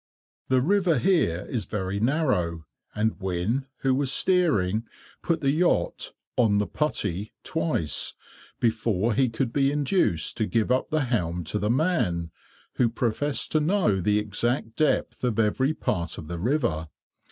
The river here is very narrow, and Wynne, who was steering, put the yacht "on the putty" twice, before he could be induced to give up the helm to the man, who professed to know the exact depth of every part of the river.